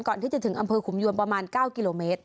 ก่อนที่จะถึงอำเภอขุมยวนประมาณ๙กิโลเมตร